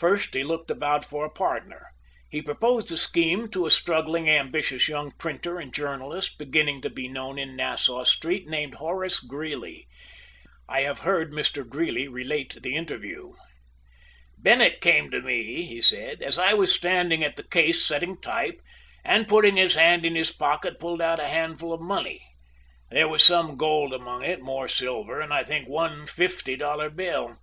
First he looked about for a partner. He proposed the scheme to a struggling, ambitious young printer and journalist, beginning to be known in Nassau Street, named Horace Greeley. I have heard Mr. Greeley relate the interview. "Bennett came to me," he said, "as I was standing at the case setting type, and putting his hand in his pocket pulled out a handful of money. There was some gold among it, more silver, and I think one fifty dollar bill.